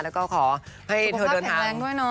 แล้วก็ขอให้เธอเดินทางสุขภาพแพ็ดแรงด้วยนะ